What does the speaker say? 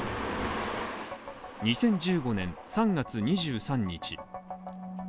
２０１５年３月２３日。